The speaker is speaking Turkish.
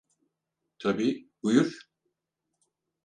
Tabii, buyur.